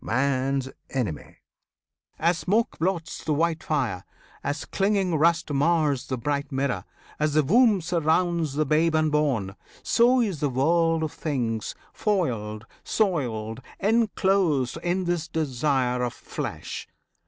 man's enemy! As smoke blots the white fire, as clinging rust Mars the bright mirror, as the womb surrounds The babe unborn, so is the world of things Foiled, soiled, enclosed in this desire of flesh.